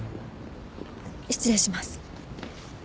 失礼します。